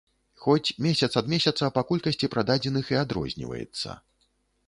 Хоць месяц ад месяца па колькасці прададзеных і адрозніваецца.